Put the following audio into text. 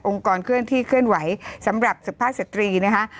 องค์กรเครื่องที่เคลื่อนไหวสำหรับภาคสตรีนะฮะ